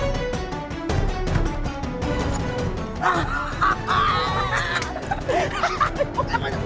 jangan di tekstur karena siap ga mungkin mengetahui